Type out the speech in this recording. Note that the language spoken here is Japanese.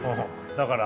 だから。